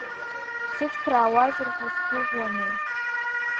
Шәсыцхраауазар ҳәа сгәыӷуанеи.